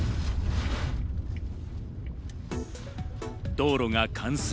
道路が冠水。